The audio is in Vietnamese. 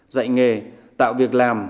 dạy nghề tạo việc làm